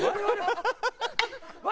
ハハハハ！